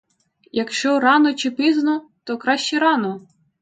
Якщо рано чи пізно, то краще рано!